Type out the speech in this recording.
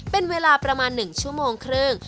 เป็นเวลาประมาณ๑ชั่วโมงครึ่ง